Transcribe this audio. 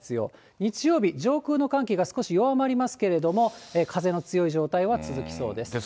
日曜日、上空の寒気が少し弱まりますけれども、風の強い状態は続きそうです。